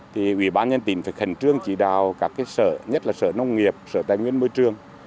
thì ủy ban nhân tỉnh phải khẩn trương chỉ đào các sở nhất là sở nông nghiệp sở tài nguyên môi trường